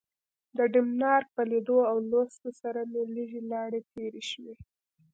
د ډنمارک په لیدلو او لوستلو سره مې لږې لاړې تیرې شوې.